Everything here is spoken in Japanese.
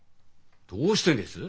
どうしてです？